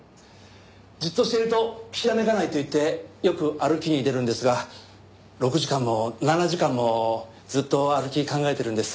じっとしてるとひらめかないといってよく歩きに出るんですが６時間も７時間もずっと歩き考えてるんです。